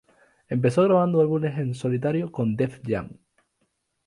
Empezó grabando álbumes en solitario con Def Jam.